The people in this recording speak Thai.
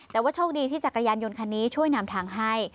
แต่ว่าโชคดีที่จักรยานยนต์คันนี้ช่วยนำทางให้